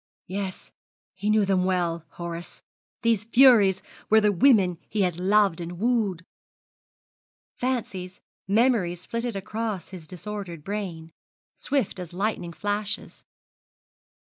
Yes, he knew them well, Horace. These furies were the women he had loved and wooed!' Fancies, memories flitted across his disordered brain, swift as lightning flashes.